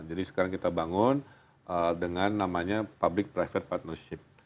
jadi sekarang kita bangun dengan namanya public private partnership